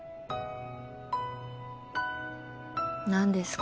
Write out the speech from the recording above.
何ですか？